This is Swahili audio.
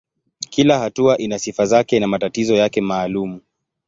Kila hatua ina sifa zake na matatizo yake maalumu.